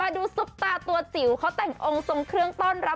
ดูซุปตาตัวจิ๋วเขาแต่งองค์ทรงเครื่องต้อนรับ